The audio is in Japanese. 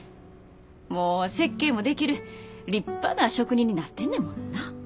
もう設計もできる立派な職人になってんねもんな。